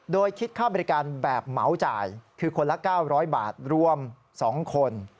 โดยคิดค่าบริการแบบเหมาจ่ายคือคนละ๙๐๐บาทรวม๒คน